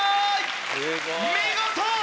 見事！